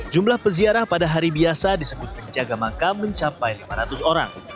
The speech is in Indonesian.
jumlah peziarah pada hari biasa disebut penjaga makam mencapai lima ratus orang